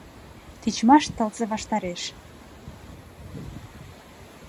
Тичмаш тылзе ваштареш.